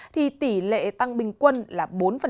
thì tỷ lệ tăng bình quân là bốn